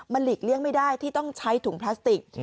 มันหลีกเลี่ยงไม่ได้ที่ต้องใช้ถุงพลาสติก